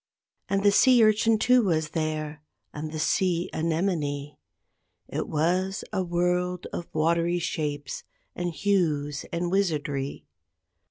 And the sea urchin too was there, and the sea anemone. It was a world of watery shapes and hues and wizardry.